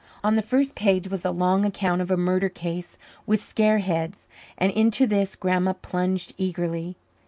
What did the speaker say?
On the first page was a long account of a murder case with scare heads, and into this Grandma plunged eagerly.